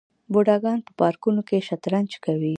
بوډاګان په پارکونو کې شطرنج کوي.